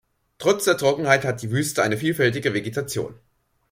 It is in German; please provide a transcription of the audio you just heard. Trotz der Trockenheit hat die Wüste eine vielfältige Vegetation.